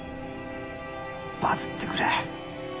バズってくれ。